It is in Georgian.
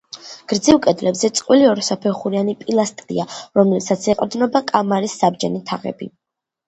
გრძივ კედლებზე წყვილი ორსაფეხურიანი პილასტრია, რომლებსაც ეყრდნობა კამარის საბჯენი თაღები.